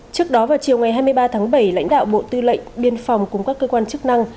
trước đó vào chiều ngày hai mươi ba tháng bảy lãnh đạo bộ tư lệnh biên phòng cùng các cơ quan chức năng